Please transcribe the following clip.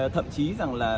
thậm chí rằng là